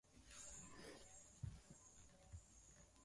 amesema wanaelewa hasira walizonazo wananchi lakini hawaungi mkono vurugu